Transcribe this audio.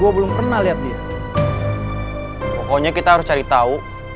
pokoknya kita harus cari tau